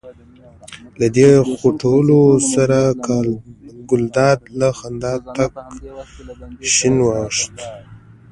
له دې خوټولو سره ګلداد له خندا تک شین واوښت.